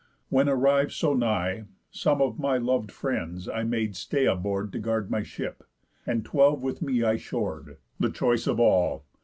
When, arriv'd so nigh, Some of my lov'd friends I made stay aboard, To guard my ship; and twelve with me I shor'd, The choice of all.